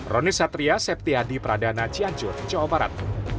roni satria septiadi pradana cianjur jawa barat